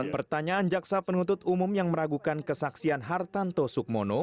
pertanyaan jaksa penuntut umum yang meragukan kesaksian hartanto sukmono